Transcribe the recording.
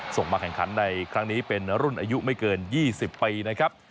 มาแข่งขันในครั้งนี้เป็นรุ่นอายุไม่เกิน๒๐ปีนะครับ